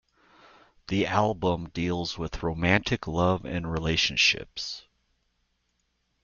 The album deals with romantic love and relationships.